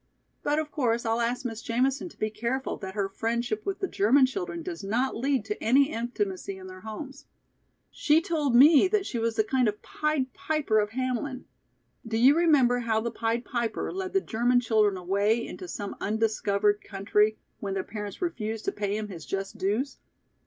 But of course I'll ask Miss Jamison to be careful that her friendship with the German children does not lead to any intimacy in their homes. She told me that she was a kind of Pied Piper of Hamlin. Do you remember how the Pied Piper led the German children away into some undiscovered country when their parents refused to pay him his just dues?